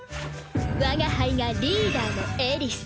我が輩がリーダーのエリス。